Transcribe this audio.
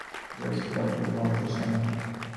ঐতিহাসিক মহাকাব্যের সমাপ্তি হতে পারে পরাজয়ের মহাশ্মশানে।